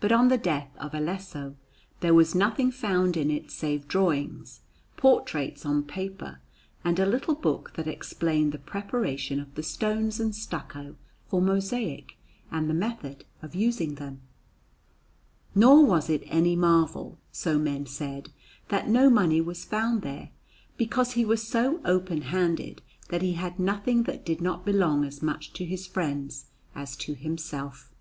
But on the death of Alesso, there was nothing found in it save drawings, portraits on paper, and a little book that explained the preparation of the stones and stucco for mosaic and the method of using them. Nor was it any marvel, so men said, that no money was found there, because he was so open handed that he had nothing that did not belong as much to his friends as to himself.